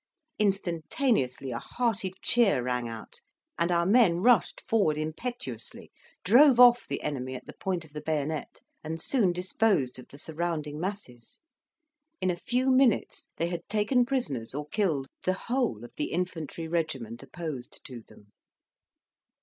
Instantaneously, a hearty cheer rang out, and our men rushed forward impetuously, drove off the enemy at the point of the bayonet, and soon disposed of the surrounding masses. In a few minutes they had taken prisoners, or killed, the whole of the infantry regiment opposed to them.